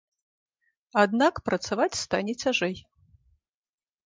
Аднак працаваць стане цяжэй.